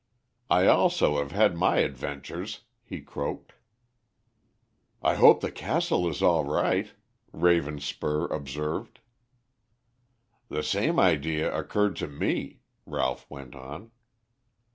"I also have had my adventures," he croaked. "I hope the castle is all right," Ravenspur observed. "The same idea occurred to me," Ralph went on.